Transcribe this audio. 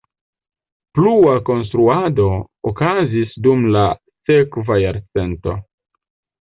Plua konstruado okazis dum la sekva jarcento.